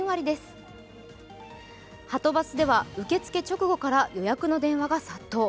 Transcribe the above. バスでは受け付け直後から予約の電話が殺到。